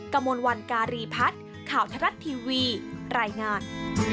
กระมวลวันการีพัฒน์ข่าวทรัฐทีวีรายงาน